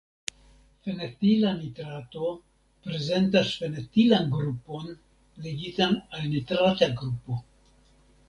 Fenetila nitrato prezentas fenetilan grupon ligitan al nitrata grupo.